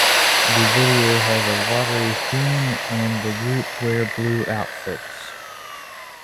The video has a watery-theme, and the group wear blue outfits.